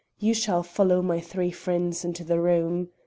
You shall follow my three friends into the room.